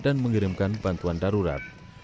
dan mengirimkan bantuan darurat